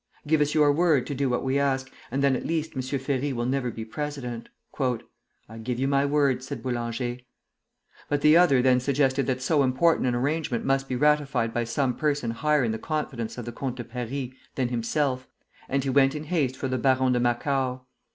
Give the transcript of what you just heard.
Give us your word to do what we ask, and then at least M. Ferry will never be president." "I give you my word," said Boulanger. But the other then suggested that so important an arrangement must be ratified by some person higher in the confidence of the Comte de Paris than himself; and he went in haste for the Baron de Makau.